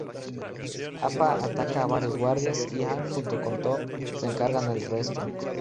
Appa ataca a varios guardias, y Aang junto con Toph se encargan del resto.